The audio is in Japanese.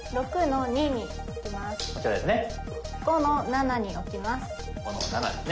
５の七に置きます。